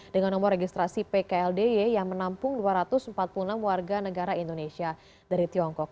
dengan nomor registrasi pkldy yang menampung dua ratus empat puluh enam warga negara indonesia dari tiongkok